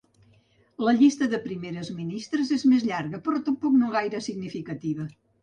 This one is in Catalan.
La llista de primeres ministres és més llarga, però tampoc no gaire significativa.